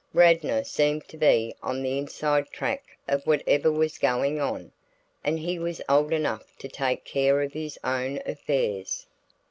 Radnor seemed to be on the inside track of whatever was going on, and he was old enough to take care of his own affairs.